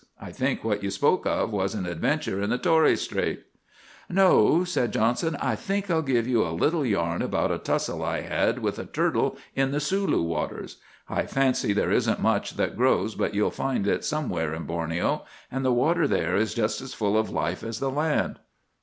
I think what you spoke of was an adventure in the Torres Strait.' "'No,' said Johnson, 'I think I'll give you a little yarn about a tussle I had with a turtle in the Sulu waters. I fancy there isn't much that grows but you'll find it somewhere in Borneo; and the water there is just as full of life as the land.